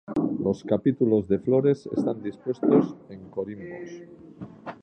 Los capítulos de flores están dispuestos en corimbos.